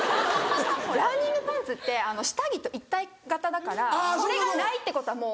ランニングパンツって下着と一体型だからそれがないってことはもう。